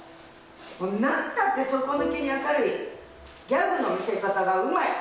なんたって底抜けに明るい、ギャグの見せ方がうまい。